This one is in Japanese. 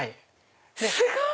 すごい！